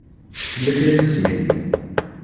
Tella kra n tesmilt?